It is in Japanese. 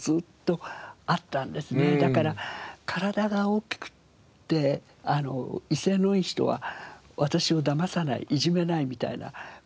だから体が大きくて威勢のいい人は私をだまさないいじめないみたいな事が刷り込まれて。